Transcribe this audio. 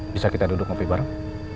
bisa kita duduk ngopi bareng